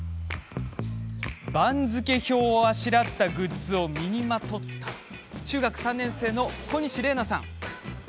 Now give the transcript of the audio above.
番付表をあしらったグッズを身にまとった中学３年生の小西伶奈さん。